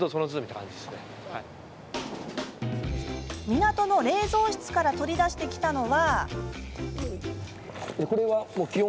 港の冷蔵室から取り出してきたのは。